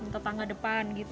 tetangga depan gitu